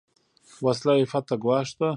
وسله عفت ته ګواښ ده